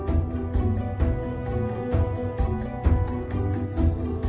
โอ๊ย